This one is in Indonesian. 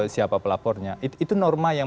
siapa pelapornya itu norma yang